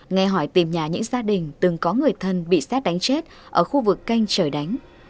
nghe hỏi tìm nhà những gia đình từng có người thân bị xét đánh chết ở khu vực canh trời đánh